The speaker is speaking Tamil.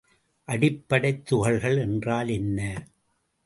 அடிப்படைத் துகள்கள் என்றால் என்ன?